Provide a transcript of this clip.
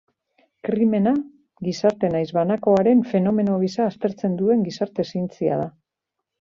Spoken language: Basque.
Krimena gizarte nahiz banakoaren fenomeno gisa aztertzen duen gizarte-zientzia da.